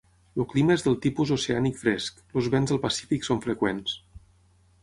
El clima és del tipus oceànic fresc, els vents del Pacífic són freqüents.